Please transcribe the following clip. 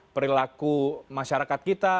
perilaku masyarakat kita